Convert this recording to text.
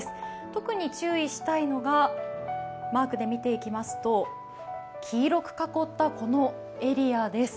特に注意したいのが、マークで見ていきますと黄色く囲った、このエリアです。